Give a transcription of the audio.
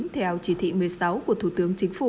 theo chỉ thị một mươi sáu của thủ tướng chính phủ